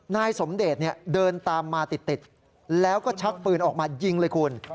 นายสมเดชเดินตามมาติดแล้วก็ชักปืนออกมายิงเลยคุณ